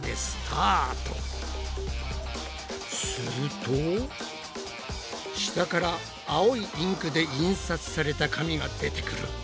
すると下から青いインクで印刷された紙が出てくる。